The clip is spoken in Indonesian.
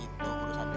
itu urusan kecil